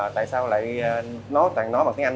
tại sao lại toàn nói bằng tiếng anh